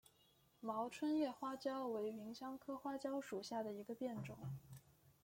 毛椿叶花椒为芸香科花椒属下的一个变种。